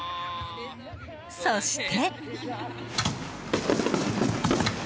そして。